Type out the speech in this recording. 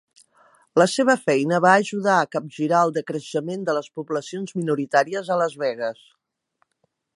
La seva feina va ajudar a capgirar el decreixement de les poblacions minoritàries a Las Vegas.